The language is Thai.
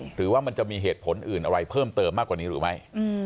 หรือว่ามันจะมีเหตุผลอื่นอะไรเพิ่มเติมมากกว่านี้หรือไม่